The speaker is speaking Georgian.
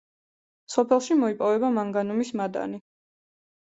სოფელში მოიპოვება მანგანუმის მადანი.